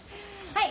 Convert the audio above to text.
はい。